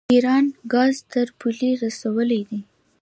خو ایران ګاز تر پولې رسولی دی.